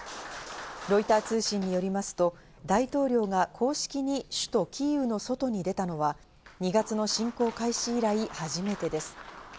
ロイター通信によりますと、大統領が公式に首都キーウの外に出たのは２月の侵攻開始以来初めてです。